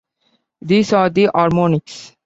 These are the harmonics.